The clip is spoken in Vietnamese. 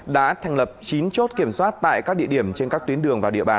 đã thành lập chín chốt kiểm soát tại các địa điểm trên các tuyến đường